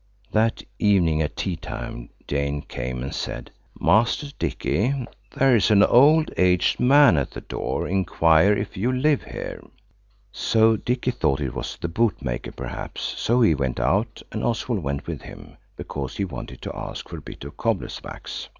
That evening at tea time Jane came and said– "Master Dicky, there's an old aged man at the door inquiring if you live here." So Dicky thought it was the bootmaker perhaps; so he went out, and Oswald went with him, because he wanted to ask for a bit of cobbler's wax.